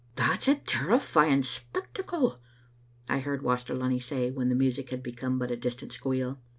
"That's a terrifying spectacle," I heard Waster Lunny say when the music had become but a distant squeal.